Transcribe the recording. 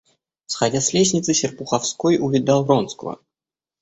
Сходя с лестницы, Серпуховской увидал Вронского.